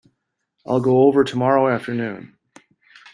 I'll go over tomorrow afternoon.